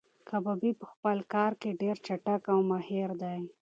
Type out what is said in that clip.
کبابي په خپل کار کې ډېر چټک او ماهیر دی.